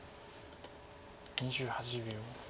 ２８秒。